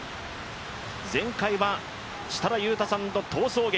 前回は設楽悠太さんとの逃走劇。